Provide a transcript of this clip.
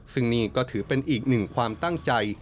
ซึ่งนี่ก็ถือเป็นอีกหนึ่งความตั้งใจ